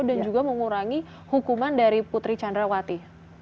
dan juga mengurangi hukuman dari putri candrawati